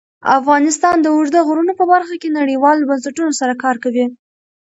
افغانستان د اوږده غرونه په برخه کې نړیوالو بنسټونو سره کار کوي.